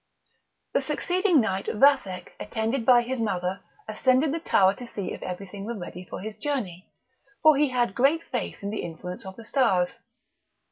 The succeeding night Vathek, attended by his mother, ascended the tower to see if everything were ready for his journey; for he had great faith in the influence of the stars.